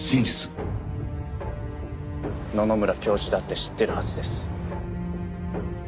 野々村教授だって知ってるはずです。